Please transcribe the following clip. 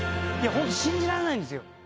ホント信じられないんですよ